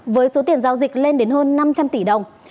với số tiền giao dịch lên đến hơn năm trăm linh tỷ đồng